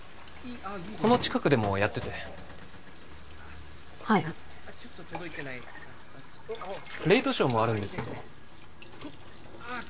この近くでもやっててはいレイトショーもあるんですけど